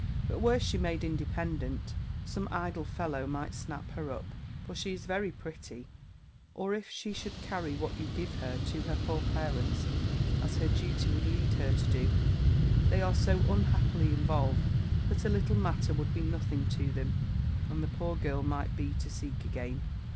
But were she made independent, some idle fellow might snap her up; for she is very pretty: or if she should carry what you give her to her poor parents, as her duty would lead her to do, they are so unhappily involved, that a little matter would be nothing to them, and the poor girl might be to seek again.